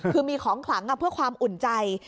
คือมีของขลังเพื่อความอุ่นใจ